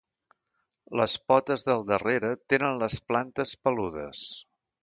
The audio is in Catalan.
Les potes del darrere tenen les plantes peludes.